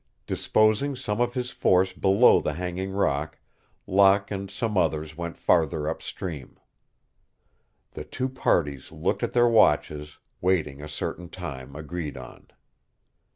Disposing some of his force below the hanging rock, Locke and some others went farther upstream. The two parties looked at their watches, waiting a certain time agreed on.